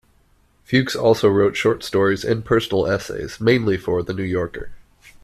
Fuchs also wrote short stories and personal essays, mainly for "The New Yorker".